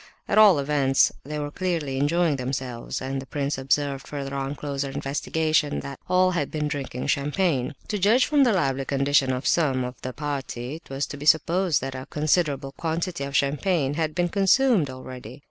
At all events they were clearly enjoying themselves, and the prince observed further on closer investigation—that all had been drinking champagne. To judge from the lively condition of some of the party, it was to be supposed that a considerable quantity of champagne had been consumed already.